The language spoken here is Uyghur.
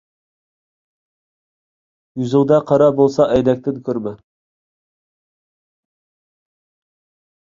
يۈزۈڭدە قارا بولسا ئەينەكتىن كۆرمە.